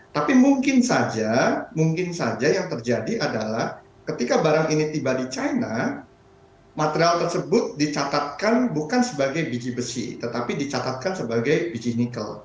tapi mungkin saja mungkin saja yang terjadi adalah ketika barang ini tiba di china material tersebut dicatatkan bukan sebagai biji besi tetapi dicatatkan sebagai biji nikel